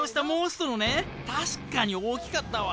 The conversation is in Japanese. たしかに大きかったわ。